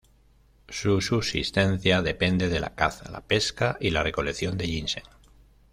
Su subsistencia depende de la caza, la pesca y la recolección de ginseng.